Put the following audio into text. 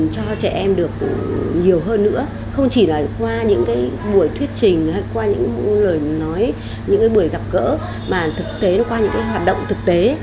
cho trẻ em được nhiều hơn nữa không chỉ là qua những cái buổi thuyết trình hay qua những lời nói những cái buổi gặp gỡ mà thực tế nó qua những cái hoạt động thực tế